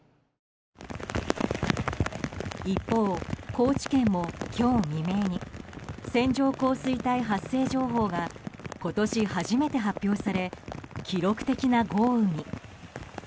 一方、高知県も今日未明に線状降水帯発生情報が今年初めて発表され記録的な豪雨に。